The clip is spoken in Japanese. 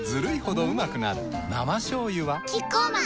生しょうゆはキッコーマン